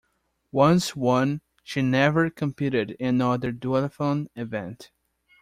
Once won, she never competed in another duathlon event.